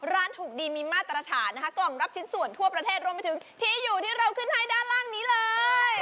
ร้านถูกดีมีมาตรฐานนะคะกล่องรับชิ้นส่วนทั่วประเทศรวมไปถึงที่อยู่ที่เราขึ้นให้ด้านล่างนี้เลย